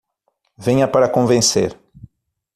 Venha para convencer